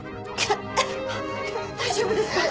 大丈夫ですか！？